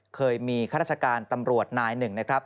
เคยมีข้าราชการตำรวจนายหนึ่งนะครับ